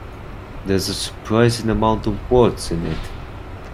There's a surprising amount of words in it.